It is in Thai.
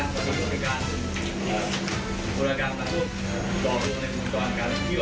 พี่งน้ำหวังว่าอย่าเลย